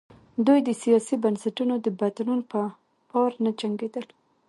دوی د سیاسي بنسټونو د بدلون په پار نه جنګېدل.